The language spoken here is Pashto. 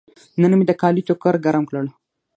نن مې د کالي ټوکر ګرم کړل.